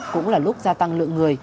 cũng là lúc gia tăng lượng người